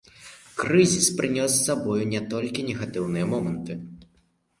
Крызіс прынёс з сабой не толькі негатыўныя моманты.